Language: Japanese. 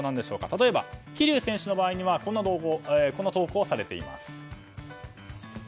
例えば桐生選手の場合はこんな投稿をされています。